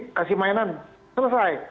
tapi kasi mainan selesai